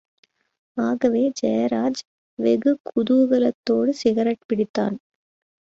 ஆகவே, ஜெயராஜ் வெகு குதூகலத்தோடு சிகரெட் பிடித்தான்.